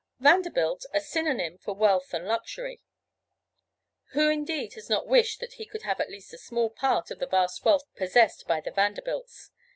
Vanderbilt, a synonym for wealth and luxury. Who indeed has not wished that he could have at least a small part of the vast wealth possessed by the Vanderbilts?